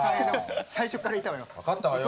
最初からいたわよ。